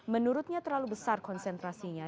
menurutnya terlalu besar konsentrasinya